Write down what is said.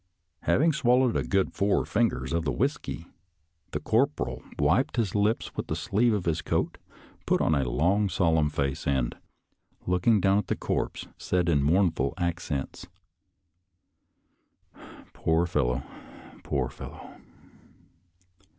Having swallowed a good four fingers of the whisky, the corporal wiped his lips with the sleeve of his coat, put on a long, solemn face, and, looking down at the corpse, said in mournful accents, " Poor fellow, poor fellow